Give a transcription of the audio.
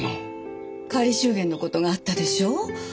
仮祝言のことがあったでしょう？